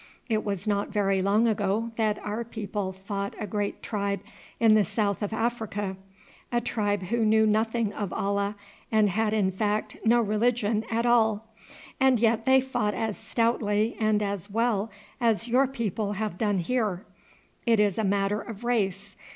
It was not very long ago that our people fought a great tribe in the south of Africa a tribe who knew nothing of Allah, who had in fact no religion at all, and yet they fought as stoutly and as well as your people have done here. It is a matter of race.